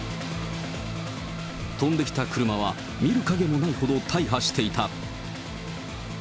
飛んできた車は見る影もないほど大破していた。